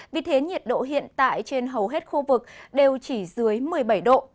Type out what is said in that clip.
vì thế nhiệt độ hiện tại trên hầu hết khu vực đều chỉ dưới một mươi bảy độ